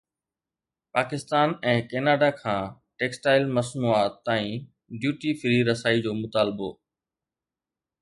Pakistan ۽ Canada کان textile مصنوعات تائين ڊيوٽي فري رسائي جو مطالبو